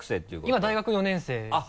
今大学４年生です。